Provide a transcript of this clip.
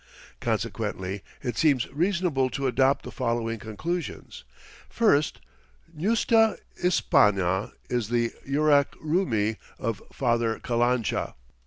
Consequently it seems reasonable to adopt the following conclusions: First, ñusta Isppana is the Yurak Rumi of Father Calancha.